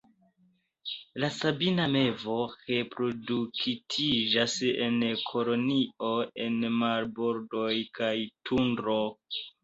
La Sabina mevo reproduktiĝas en kolonioj en marbordoj kaj tundro.